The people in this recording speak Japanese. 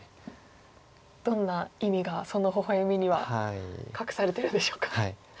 どんな意味がそのほほ笑みには隠されてるんでしょうか。